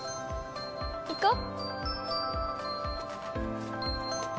行こう！